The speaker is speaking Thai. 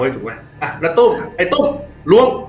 อ่ะตุ้มวง